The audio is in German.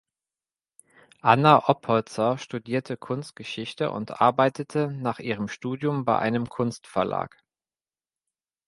Anna Oppolzer studierte Kunstgeschichte und arbeitete nach ihrem Studium bei einem Kunstverlag.